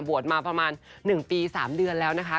มาประมาณ๑ปี๓เดือนแล้วนะคะ